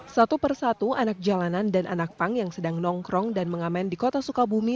satu persatu anak jalanan dan anak pang yang sedang nongkrong dan mengamen di kota sukabumi